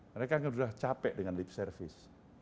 mereka sudah capek dengan lip service